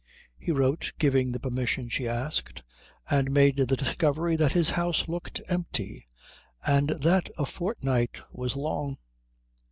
He wrote giving the permission she asked, and made the discovery that his house looked empty and that a fortnight was long.